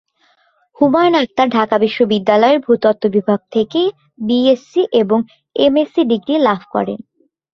হুমায়ুন আখতার ঢাকা বিশ্ববিদ্যালয়ের ভূতত্ত্ব বিভাগ থেকে বিএসসি এবং এমএসসি ডিগ্রি লাভ করেন।